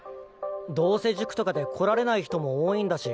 どうせ塾とかで来られない人も多いんだし。